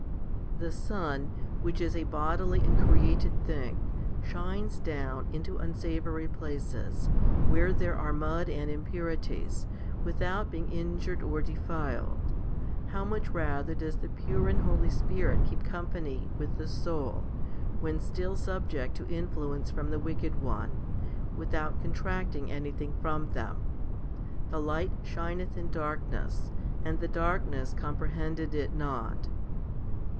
The sun, which is a bodily and created thing, shines down into unsavoury places, where there are mud and 1 i Cor. vi. 16. 2 i Cor. vi. 17. 3 Jas; i. 2. 136 FIFTY SPIRITUAL HOMILIES impurities, without being injured or defiled ; how much rather does the pure and holy Spirit keep company with the soul, when still subject to influence from the wicked one, without contracting anything from them. The light shineth in darkness, and the darkness comprehended it not.